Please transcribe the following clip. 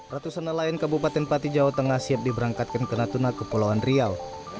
ratusan nelayan kabupaten pati jawa tengah siap diberangkatkan ke natuna kepulauan riau